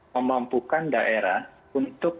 memampukan daerah untuk